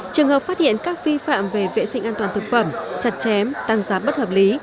trường hợp phát hiện các vi phạm về vệ sinh an toàn thực phẩm chặt chém tăng giá bất hợp lý